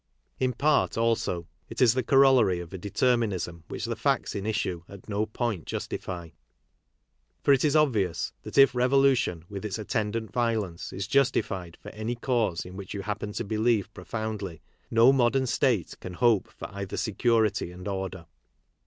In part, also, it is the corol ' lary of a determinism which the facts in issue at no point, justify. For it is obvious that if revolution, with its attendant violence, is justified for any cause in which you happen to believe profoundly, no modern state can hope for either security and order.